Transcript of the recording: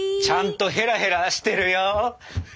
ちゃんとへらへらしてるよ！